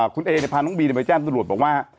คุณเอเนี่ยพาน้องบีเนี่ยไปแจ้งตำรวจบอกว่า